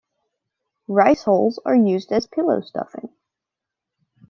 Rice hulls are used as pillow stuffing.